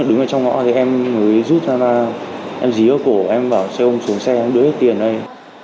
đứng ở trong ngõ thì em mới rút ra ra em dí ở cổ em bảo xe hồn xuống xe em đưa hết tiền đây